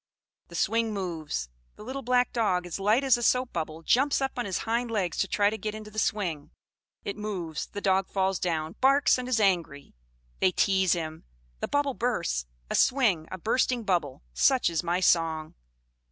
The swing moves. The little black dog, as light as a soap bubble, jumps up on his hind legs to try to get into the swing. It moves, the dog falls down, barks, and is angry. They tease him; the bubble bursts! A swing, a bursting bubble such is my song!"